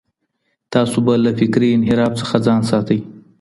تاسو به له فکري انحراف څخه ځان ساتئ.